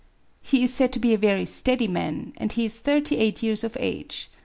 He is said to be a very steady man ; and he is thirty eight years of age.